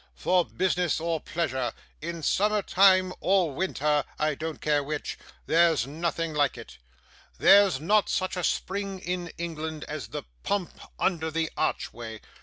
For business or pleasure, in summer time or winter I don't care which there's nothing like it. There's not such a spring in England as the pump under the archway.